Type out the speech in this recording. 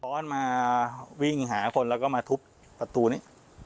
้อนมาวิ่งหาคนแล้วก็มาทุบประตูนี้